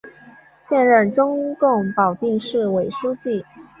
现任中共保定市委书记。